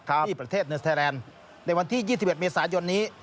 ที่ประเทศเนสไทยแลนด์ในวันที่๒๑เมษายนนี้